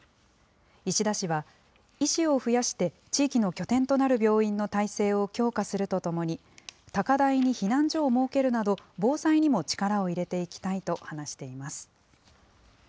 石田氏は、医師を増やして地域の拠点となる病院の体制を強化するとともに、高台に避難所を設けるなど、防災にも力を入れていきたいと話しています。